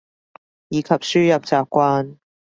以及輸入習慣